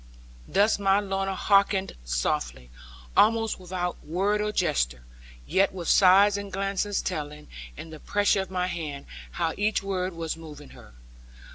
Thus my Lorna hearkened softly, almost without word or gesture, yet with sighs and glances telling, and the pressure of my hand, how each word was moving her.